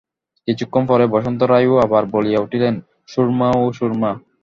কিছুক্ষণ পরে বসন্ত রায় আবার বলিয়া উঠিলেন, সুরমা, ও সুরমা।